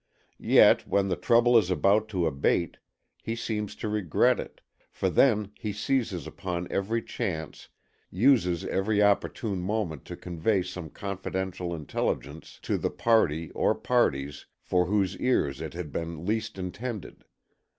Yet, when the trouble is about to abate, he seems to regret it, for then he seizes upon every chance, uses every opportune moment to convey some confidential intelligence to the party or parties for whose ears it had been least intended.